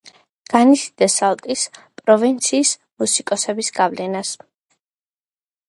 განიცდიდა სალტის პროვინციის მუსიკოსების გავლენას.